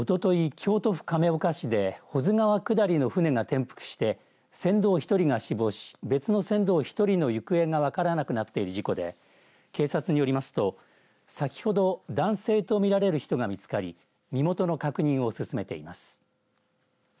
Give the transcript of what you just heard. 京都府亀岡市で保津川下りの舟が転覆して船頭１人が死亡し別の船頭１人の行方が分からなくなっている事故で警察によりますと先ほど男性と見られる人が見つかり身元の確認を進めています。